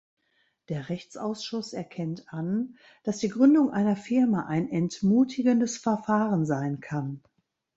Der Rechtsausschuss erkennt an, dass die Gründung einer Firma ein entmutigendes Verfahren sein kann.